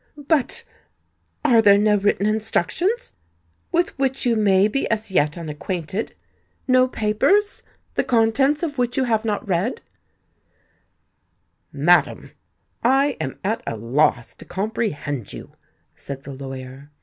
"But—are there no written instructions—with which you may be as yet unacquainted—no papers, the contents of which you have not read——" "Madam, I am at a loss to comprehend you," said the lawyer.